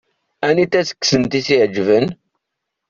Anita deg-sent i s-iɛeǧben?